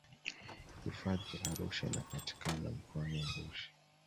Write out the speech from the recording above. hifadhi ya arusha inapatikana mkoani arusha